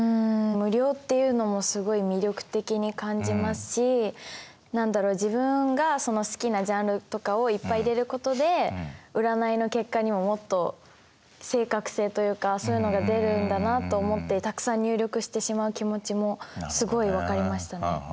無料っていうのもすごい魅力的に感じますし何だろう自分が好きなジャンルとかをいっぱい入れることで占いの結果にももっと正確性というかそういうのが出るんだなと思ってたくさん入力してしまう気持ちもすごいわかりましたね。